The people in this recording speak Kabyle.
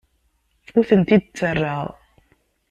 Ur tent-id-ttarraɣ.